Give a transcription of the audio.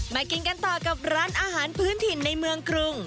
กินกันต่อกับร้านอาหารพื้นถิ่นในเมืองกรุง